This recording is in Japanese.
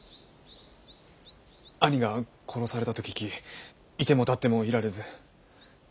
兄が殺されたと聞きいてもたってもいられず。